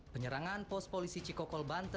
penyerangan pos polisi cikokol banten